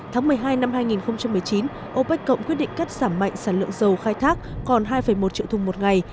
tháng một mươi hai năm hai nghìn một mươi chín opec cộng quyết định cắt giảm mạnh sản lượng dầu khai thác còn hai một triệu thùng một ngày